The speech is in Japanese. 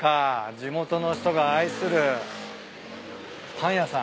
地元の人が愛するパン屋さん。